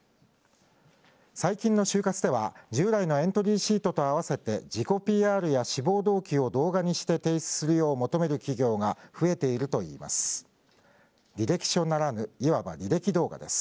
最近の就活では、従来のエントリーシートと併せて、自己ＰＲや志望動機を動画にして提出するよう求める企業が増えているといいます。